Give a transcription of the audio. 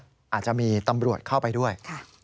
อาจจะมีตำรวจเข้าไปด้วย